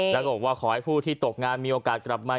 แล้วก็บอกว่าขอให้ผู้ที่ตกงานมีโอกาสกลับมา